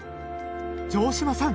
城島さん